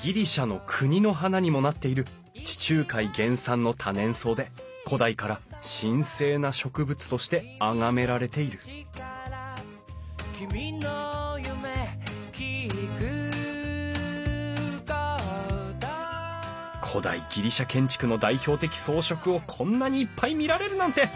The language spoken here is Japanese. ギリシャの国の花にもなっている地中海原産の多年草で古代から神聖な植物としてあがめられている古代ギリシャ建築の代表的装飾をこんなにいっぱい見られるなんて！